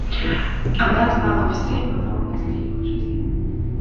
Она знала все подробности его жизни.